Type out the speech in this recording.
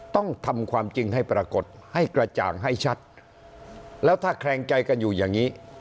ต้องทำความจริงให้ปรากฏให้กระจ่างให้ชัดแล้วถ้าแคลงใจกันอยู่อย่างนี้